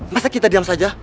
masa kita diam saja